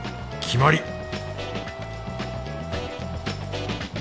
決まり！